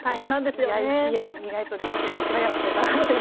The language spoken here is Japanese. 意外と料理してて一番嫌な瞬間かもしれません。